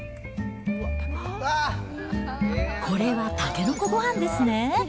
これはたけのこごはんですね。